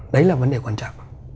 đấy là vấn đề quan trọng